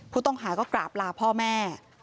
ผู้ต้องหาก็กราบลาพ่อแม่